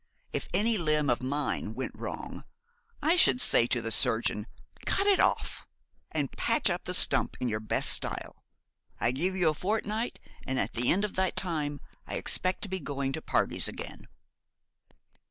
If any limb of mine went wrong, I should say to the surgeon, "Cut it off, and patch up the stump in your best style; I give you a fortnight, and at the end of that time I expect to be going to parties again."